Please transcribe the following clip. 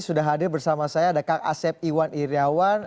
sudah hadir bersama saya ada kang asep iwan iryawan